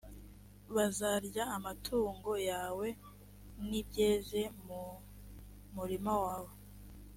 bazarya amatungo yawe n ibyeze mu murima wawe